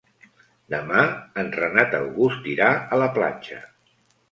Demà en Renat August irà a la platja.